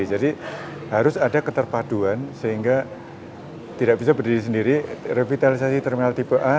jadi harus ada keterpaduan sehingga tidak bisa berdiri sendiri revitalisasi terminal tipe a